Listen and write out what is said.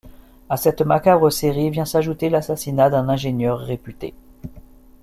À cette macabre série vient s'ajouter l'assassinat d'un ingénieur réputé.